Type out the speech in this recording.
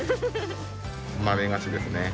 豆菓子ですね。